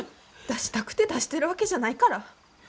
出したくて出してるわけじゃないから。